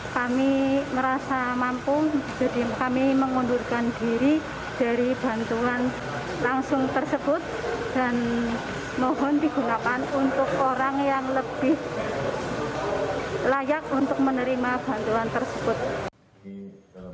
kami merasa mampu jadi kami mengundurkan diri dari bantuan langsung tersebut dan mohon digunakan untuk orang yang lebih layak untuk menerima bantuan tersebut